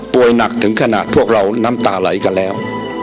หนักถึงขนาดพวกเราน้ำตาไหลกันแล้ว